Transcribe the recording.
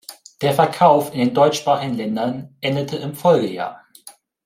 Der Verkauf in den deutschsprachigen Ländern endete im Folgejahr.